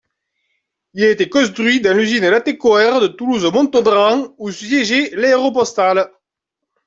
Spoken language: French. Il a été construit dans l'usine Latécoère de Toulouse Montaudran où siègeait l'Aéropostale.